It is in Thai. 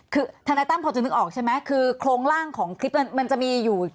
คือทนายตั้มพอจะนึกออกใช่ไหมคือโครงร่างของคลิปนั้นมันจะมีอยู่